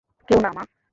কেউ না, মা!